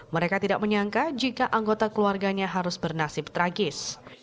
mereka tidak menyangka jika anggota keluarganya harus bernasib tragis